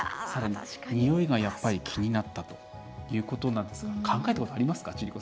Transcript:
さらに、においが気になったということなんですが考えたことありますか？